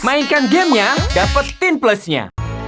mainkan gamenya dapetin plusnya